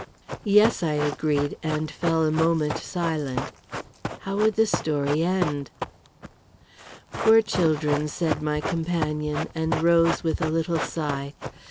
"Yes," I agreed, and fell a moment silent. How would the story end? "Poor children!" said my companion, and rose with a little sigh.